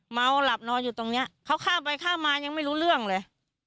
เมาหลับนอนอยู่ตรงนี้เขาข้ามไปข้ามมายังไม่รู้เรื่องเลย